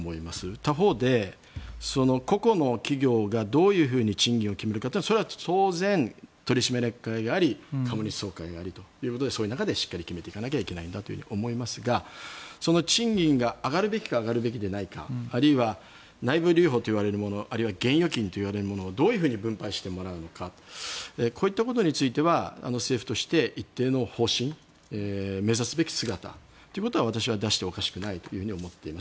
他方で個々の企業がどういうふうに賃金を決めるかそれは当然、取締役会があり株主総会がありということでその中でしっかり決めていかないといけないんだと思いますが賃金が上がるべきか上がるべきでないかあるいは内部留保現預金というものをどういうふうに分配するのかこういったことについては政府として一定の方針目指すべき姿ということは私は出しておかしくないと思っています。